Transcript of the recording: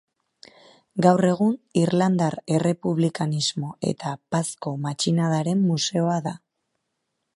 Gaur egun irlandar errepublikanismoa eta Pazko matxinadaren museoa da.